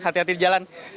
hati hati di jalan